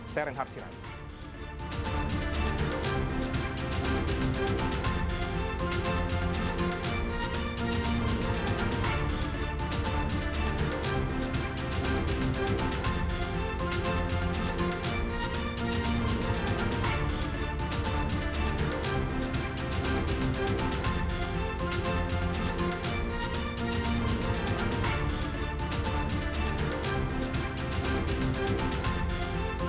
saya renhard siram